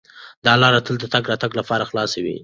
دا لاره تل د تګ راتګ لپاره خلاصه وي.